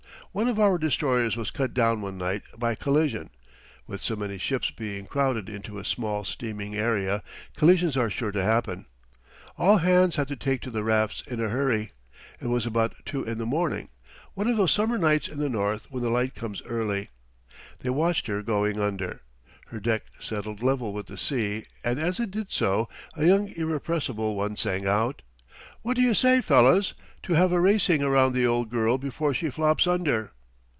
One of our destroyers was cut down one night by collision. (With so many ships being crowded into a small steaming area, collisions are sure to happen.) All hands had to take to the rafts in a hurry. It was about two in the morning, one of those summer nights in the North when the light comes early. They watched her going under. Her deck settled level with the sea, and as it did so a young irrepressible one sang out: "What do you say, fellows, to having a race around the old girl before she flops under?"